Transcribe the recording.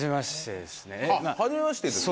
あっはじめましてですか。